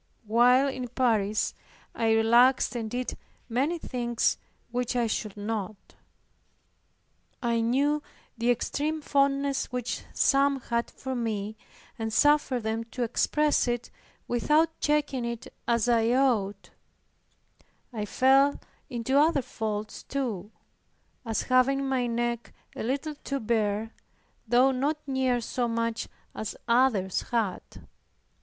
While in Paris, I relaxed and did many things which I should not. I knew the extreme fondness which some had for me, and suffered them to express it without checking it as I ought. I fell into other faults too, as having my neck a little too bare, though not near so much as others had.